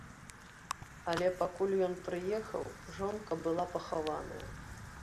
Але пакуль ён прыехаў, жонка была пахаваная.